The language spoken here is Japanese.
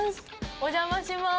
お邪魔します。